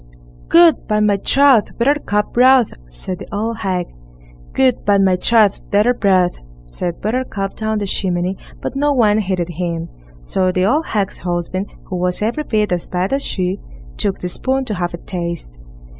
Good, by my troth! Buttercup broth, said the old hag. Good, by my troth! Daughter broth, said Buttercup down the chimney, but no one heeded him. So the old hag's husband, who was every bit as bad as she, took the spoon to have a taste.